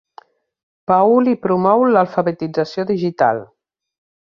Paul i promou l'alfabetització digital.